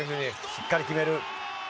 しっかり決める。